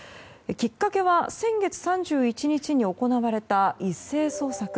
きっかけは先月３１日に行われた一斉捜索。